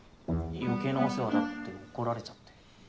余計なお世話だって怒られちゃって。